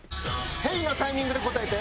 「ＨＥＹ！」のタイミングで答えて。